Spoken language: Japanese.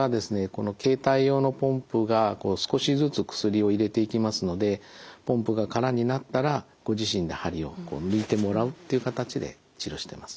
この携帯用のポンプが少しずつ薬を入れていきますのでポンプが空になったらご自身で針を抜いてもらうっていう形で治療してます。